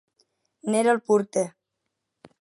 N'era el porter.